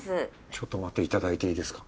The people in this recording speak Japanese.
ちょっと待っていただいていいですか？